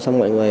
xong mọi người